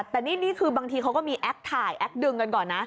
แต่นี่คือบางทีเขาก็มีแอคถ่ายแอคดึงกันก่อนนะ